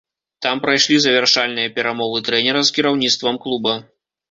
Там прайшлі завяршальныя перамовы трэнера з кіраўніцтвам клуба.